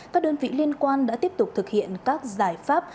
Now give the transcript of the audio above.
các đơn vị liên quan đã tiếp tục thực hiện các giải pháp